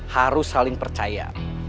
harus saling percaya